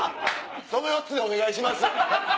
その４つでお願いします。